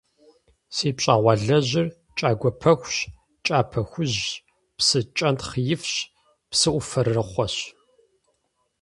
Си пщӏэгъуалэжьыр кӏагуэ пэхущ, кӏапэ хужьщ, псы кӏэнтхъ ифщ, псыӏуфэрыхъуэщ.